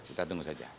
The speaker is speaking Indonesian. kita tunggu saja